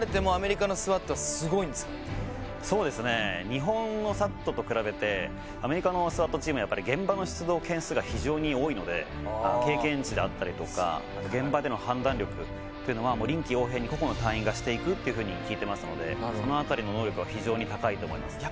日本のＳＡＴと比べてアメリカのＳＷＡＴチームはやっぱり現場の出動件数が非常に多いので経験値であったりとか現場での判断力というのはもう臨機応変に個々の隊員がしていくっていうふうに聞いてますのでその辺りの能力は非常に高いと思いますね。